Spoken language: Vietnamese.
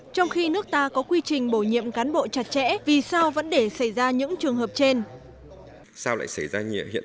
trong khi nước ta có quy trình bổ nhiệm cán bộ chặt chẽ vì sao vẫn để xảy ra những trường hợp trên